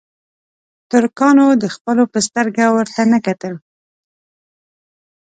ترکانو د خپلو په سترګه ورته نه کتل.